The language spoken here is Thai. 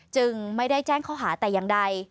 จึงไม่ได้แจ้งข้อหาแต่อย่างใด